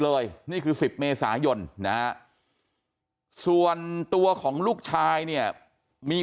เลยนี่คือ๑๐เมษายนนะฮะส่วนตัวของลูกชายเนี่ยมี